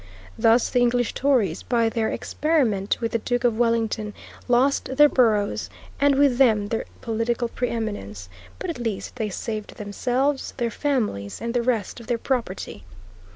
Thus the English Tories, by their experiment with the Duke of Wellington, lost their boroughs and with them their political preeminence, but at least they saved themselves, their families, and the rest of their property.